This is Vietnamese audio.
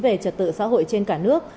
về trật tự xã hội trên cả nước